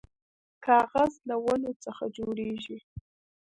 کاغذ له ونو څخه جوړیږي